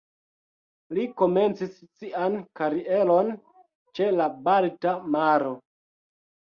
Li komencis sian karieron ĉe la Balta Maro.